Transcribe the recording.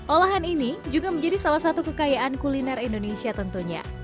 olahan ini juga menjadi salah satu kekayaan kuliner indonesia tentunya